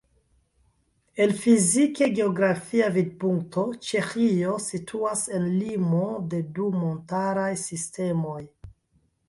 El fizike-geografia vidpunkto Ĉeĥio situas en limo de du montaraj sistemoj.